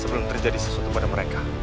sebelum terjadi sesuatu pada mereka